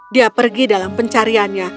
dia pergi dalam pencariannya